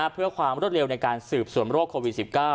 เพื่อความรวดเร็วในการสืบสวนโรคโควิด๑๙